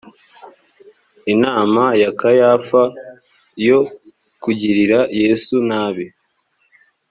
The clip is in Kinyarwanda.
inama ya kayafa yo kugirira yesu nabi